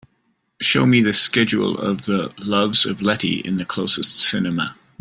show me the schedule of The Loves of Letty in the closest cinema